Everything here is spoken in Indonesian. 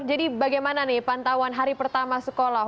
jadi bagaimana nih pantauan hari pertama sekolah